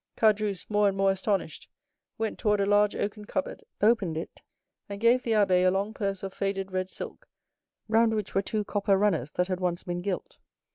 Caderousse, more and more astonished, went toward a large oaken cupboard, opened it, and gave the abbé a long purse of faded red silk, round which were two copper runners that had once been gilt.